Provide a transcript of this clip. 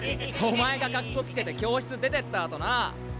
お前がかっこつけて教室出てったあとな。